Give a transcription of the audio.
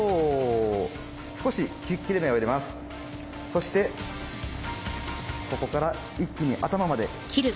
そしてここから一気に頭まで。